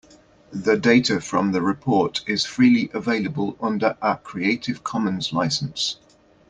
The data from the report is freely available under a Creative Commons license.